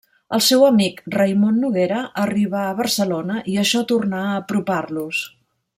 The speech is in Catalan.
El seu amic Raimon Noguera arribà a Barcelona, i això tornà a apropar-los.